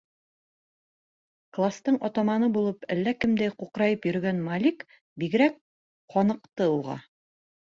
Кластың атаманы булып әллә кемдәй ҡуҡырайып йөрөгән Малик бигерәк ҡаныҡты уға.